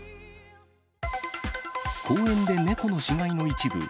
校庭で猫の死骸の一部。